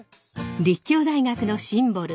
立教大学のシンボル